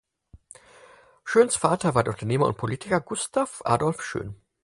Schöns Vater war der Unternehmer und Politiker Gustav Adolf Schön.